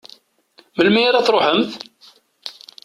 Melmi ara d-truḥemt?